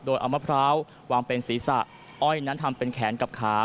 โดยเอามะพร้าววางเป็นศีรษะอ้อยนั้นทำเป็นแขนกับขา